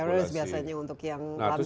carers biasanya untuk yang lansia lansianya